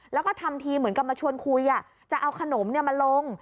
แล้วก็ทำทีเหมือนกับมาชวนคุยจะเอาขนมมาลง